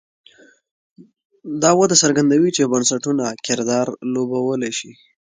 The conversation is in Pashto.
دا وده څرګندوي چې بنسټونه کردار لوبولی شي.